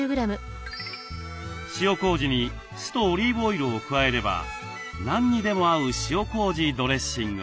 塩こうじに酢とオリーブオイルを加えれば何にでも合う塩こうじドレッシングに。